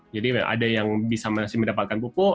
jadi ada yang bisa mendapatkan pupuk